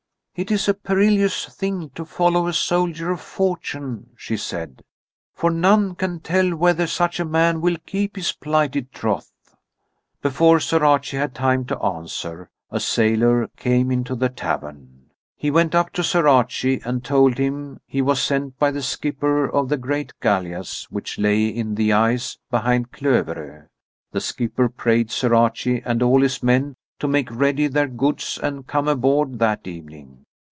"It is a perilous thing to follow a soldier of fortune," she said. "For none can tell whether such a man will keep his plighted troth." Before Sir Archie had time to answer, a sailor came into the tavern. He went up to Sir Archie and told him he was sent by the skipper of the great gallias which lay in the ice behind Klovero. The skipper prayed Sir Archie and all his men to make ready their goods and come aboard that evening.